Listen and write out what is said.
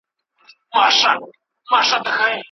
دا انصاف نه دی چي ماته په هغه شېبه درېږې